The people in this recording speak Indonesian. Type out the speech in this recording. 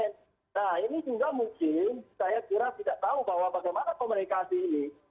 nah ini juga mungkin saya kira tidak tahu bahwa bagaimana komunikasi ini